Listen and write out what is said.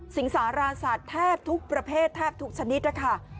อ๋อสิงสาราสัตว์แทบทุกประเภทแทบทุกชนิดแหละค่ะ